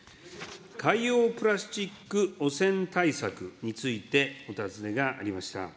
海洋プラスチック汚染対策について、お尋ねがありました。